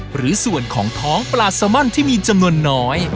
หรือส่วนของท้องปลาซามอนที่มีจำนวนน้อย